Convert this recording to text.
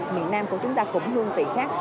miền nam của chúng ta cũng hương vị khác